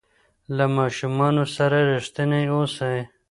له ماشومانو سره رښتیني اوسئ.